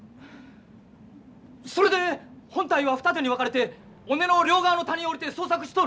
それで本隊は二手に分かれて尾根の両側の谷を下りて捜索しとる。